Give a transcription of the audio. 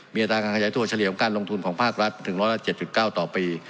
มีอัตราการขยายตัวเฉลี่ยของการลงทุนของภาครัฐถึง๑๐๗๙ต่อปี